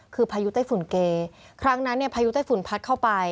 คือพายุไต้ฝุ่นเกครั้งนั้นเนี่ยพายุใต้ฝุ่นพัดเข้าไป